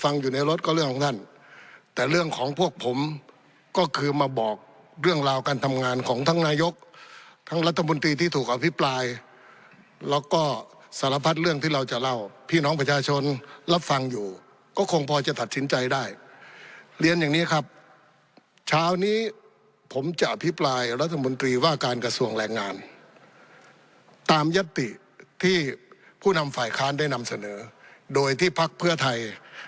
อยู่ในรถก็เรื่องของท่านแต่เรื่องของพวกผมก็คือมาบอกเรื่องราวการทำงานของทั้งนายกทั้งรัฐมนตรีที่ถูกอภิปรายแล้วก็สารพัดเรื่องที่เราจะเล่าพี่น้องประชาชนรับฟังอยู่ก็คงพอจะตัดสินใจได้เรียนอย่างนี้ครับเช้านี้ผมจะอภิปรายรัฐมนตรีว่าการกระทรวงแรงงานตามยัตติที่ผู้นำฝ่ายค้านได้นำเสนอโดยที่พักเพื่อไทย